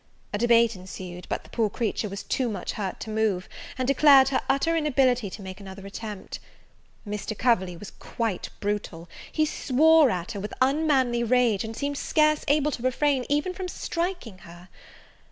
A debate ensued; but the poor creature was too much hurt to move, and declared her utter inability to make another attempt. Mr. Coverley was quite brutal: he swore at her with unmanly rage, and seemed scarce able to refrain even from striking her.